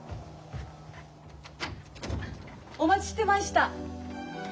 お待ちしてました。